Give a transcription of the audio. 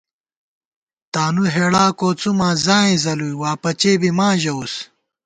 تانُو ہېڑا کوڅُوماں ځائیں ځَلُوئی، واپچے بی ماں ژَوُس